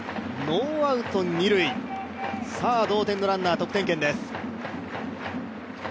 ノーアウト二塁、さあ同点のランナー、得点圏です。